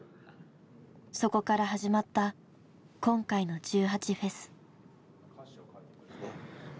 そこから始まった今回の１８祭。